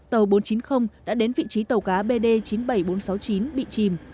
tàu bốn trăm chín mươi đã đến vị trí tàu cá bd chín mươi bảy nghìn bốn trăm sáu mươi chín bị chìm